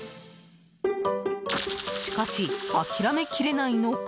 しかし、諦めきれないのか。